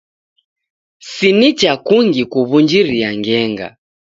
Si n icha kungi kuw'unjiria ngenga.